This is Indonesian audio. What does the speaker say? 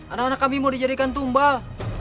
anak anak kami mau dijadikan tumbal